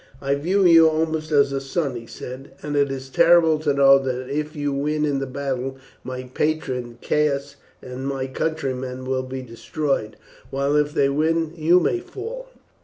"I view you almost as a son," he said; "and it is terrible to know that if you win in the battle, my patron Caius and my countrymen will be destroyed, while if they win, you may fall."